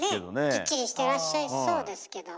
きっちりしてらっしゃいそうですけど。